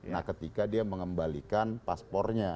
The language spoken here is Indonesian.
nah ketika dia mengembalikan paspornya